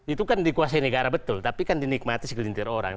itu kan dikuasai negara betul tapi kan dinikmati segelintir orang